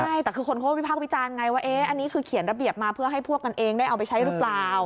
ใช่แต่คือคนเขาก็วิพากษ์วิจารณ์ไงว่าอันนี้คือเขียนระเบียบมาเพื่อให้พวกกันเองได้เอาไปใช้หรือเปล่า